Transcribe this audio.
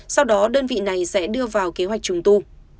sau đó đơn vị này sẽ đưa vào kế hoạch trùng tu